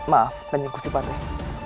maafkan nyembusi pak teh